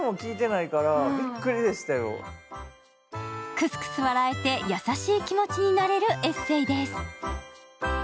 くすくす笑えて優しい気持ちになれるエッセーです。